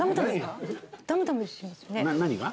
何が？